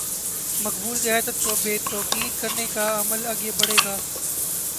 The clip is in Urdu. مقبول قیادت کو بے توقیر کرنے کا عمل آگے بڑھے گا۔